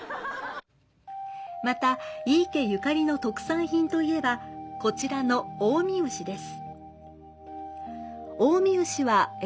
また、井伊家ゆかりの特産品といえば、こちらの近江牛です。